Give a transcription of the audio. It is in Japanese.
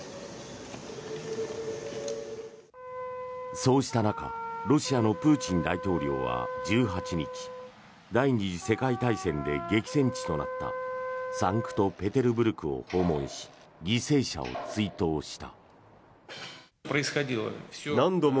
そうした中ロシアのプーチン大統領は１８日第２次世界大戦で激戦地となったサンクトペテルブルクを訪問し犠牲者を追悼した。